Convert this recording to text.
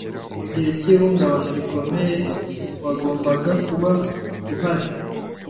mu gihe cy'ihungabana rikomeye wagombaga kuba uhari